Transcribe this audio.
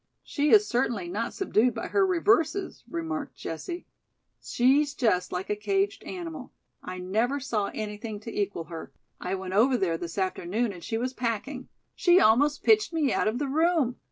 "She is certainly not subdued by her reverses," remarked Jessie. "She's just like a caged animal. I never saw anything to equal her. I went over there this afternoon and she was packing. She almost pitched me out of the room.